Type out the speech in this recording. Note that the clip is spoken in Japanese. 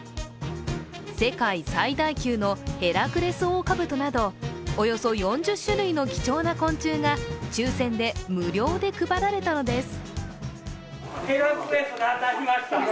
世界最大級のヘラクレスオオカブトなどおよそ４０種類の貴重な昆虫が抽選で無料で配られたのです。